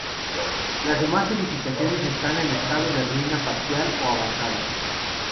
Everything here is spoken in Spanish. Las demás edificaciones están en estado de ruina parcial o avanzada.